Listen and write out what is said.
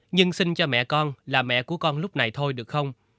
nhưng sinh cho mẹ con là mẹ của con lúc này thôi được không